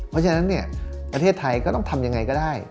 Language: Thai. เพราะฉะนั้นเนี่ยประเทศไทยก็ต้องทำยังไงก็ได้